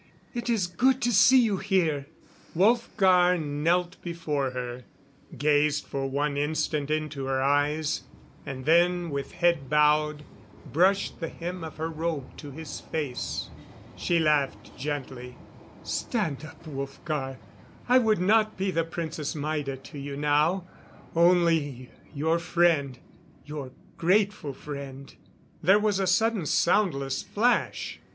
It is good to see you here." Wolfgar knelt before her, gazed for one instant into her eyes, and then with head bowed, brushed the hem of her robe to his face. She laughed gently. "Stand up, Wolfgar. I would not be the Princess Maida to you now. Only your friend. Your grateful friend." There was a sudden soundless flash.